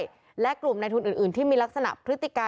เบื้องหลังด้วยและกลุ่มในทุนอื่นที่มีลักษณะพฤติกา